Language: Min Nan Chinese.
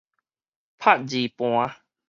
拍字盤